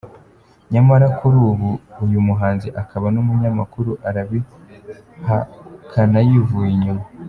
Nyamara kuri ubu uyu muhanzi akaba n’umunyakuru arabihakanayivuye inyuma.